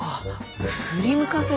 振り向かせるって。